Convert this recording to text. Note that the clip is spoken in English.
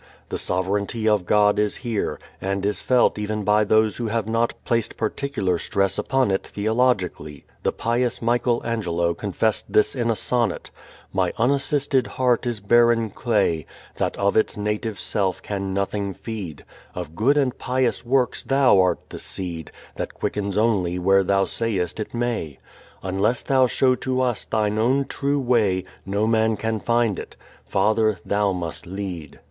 The sovereignty of God is here, and is felt even by those who have not placed particular stress upon it theologically. The pious Michael Angelo confessed this in a sonnet: My unassisted heart is barren clay, That of its native self can nothing feed: Of good and pious works Thou art the seed, That quickens only where Thou sayest it may: Unless Thou show to us Thine own true way No man can find it: Father! Thou must lead.